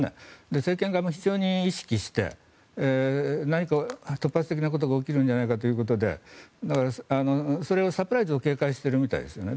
政権側も意識して何か突発的なことが起きるのではないかということでそれを、サプライズを警戒しているみたいですね。